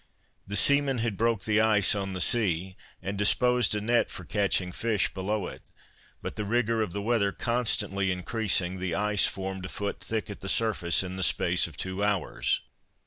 The seamen had broke the ice on the sea, and disposed a net for catching fish below it; but the rigour of the weather constantly increasing, the ice formed a foot thick at the surface in the space of two hours.